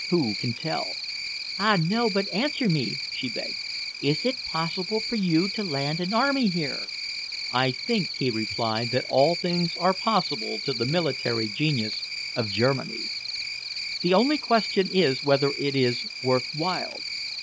"Who can tell?" "Ah, no, but answer me," she begged. "Is it possible for you to land an army here?" "I think," he replied, "that all things are possible to the military genius of Germany. The only question is whether it is worth while.